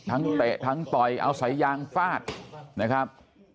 เตะทั้งต่อยเอาสายยางฟาดนะครับ